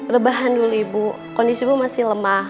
lebahan dulu ibu kondisi ibu masih lemah